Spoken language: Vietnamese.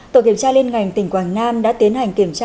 tổ kiểm tra liên ngành tỉnh quảng nam đã tiến hành kiểm tra